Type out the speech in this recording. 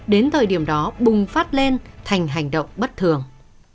đến thời điểm đó bùng phát lên thành hành động bất thường